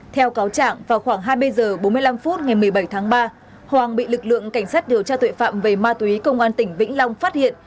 theo cáo trạng vào khoảng hai mươi h bốn mươi năm phút ngày một mươi bảy tháng ba hoàng bị lực lượng cảnh sát điều tra tội phạm về ma túy công an tỉnh vĩnh long phát hiện